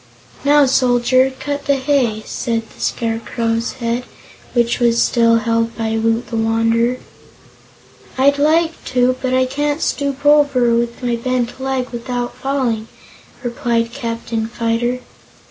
"Now, Soldier, cut the hay," said the Scarecrow's head, which was still held by Woot the Wanderer. "I'd like to, but I can't stoop over, with my bent leg, without falling," replied Captain Fyter.